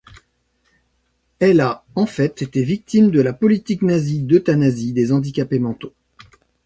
Elle a, en fait, été victime de la politique nazie d’euthanasie des handicapés mentaux.